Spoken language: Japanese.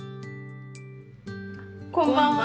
こんばんは。